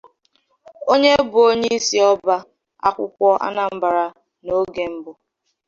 onye bụ onyeisi ọba akwụkwọ Anambra n'oge mbụ